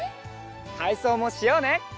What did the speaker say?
たいそうもしようね。